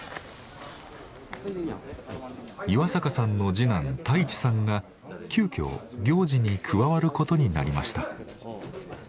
岩阪さんの次男太一さんが急遽行事に加わることになりました。